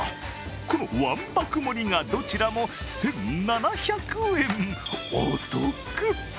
このわんぱく盛りがどちらも１７００円、お得。